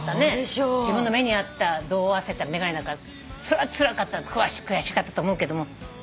自分の目に合った度を合わせた眼鏡だからそれはつらかった悔しかったと思うけども。